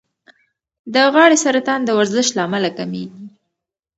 د غاړې سرطان د ورزش له امله کمېږي.